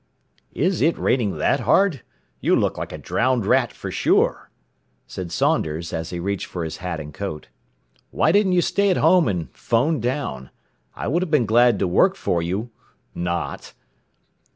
"Is it raining that hard? You look like a drowned rat for sure," said Saunders as he reached for his hat and coat. "Why didn't you stay at home, and 'phone down? I would have been glad to work for you not."